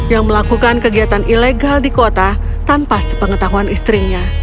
yang melakukan kegiatan ilegal di kota tanpa sepengetahuan istrinya